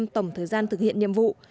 năm mươi tổng thời gian thực hiện nhiệm vụ